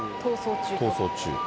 逃走中。